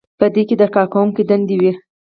په دې کې د کارکوونکي دندې وي.